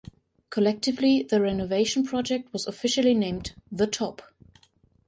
Collectively, the renovation project was officially named "'The Top"'.